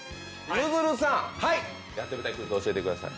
ゆずるさん、やってみたいクイズを教えてください。